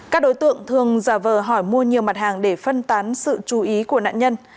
các đối tượng thường giả vờ hỏi mua nhiều mặt hàng để phân tán sự chú ý của nạn nhân